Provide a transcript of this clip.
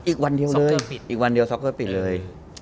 อีกวันเดียวอีกวันเดียวซ็อกเกอร์ปิดเลย